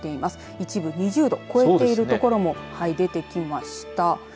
一部、２０度を超えている所も出てきました。